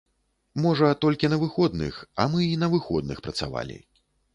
Можа, толькі на выходных, а мы і на выходных працавалі.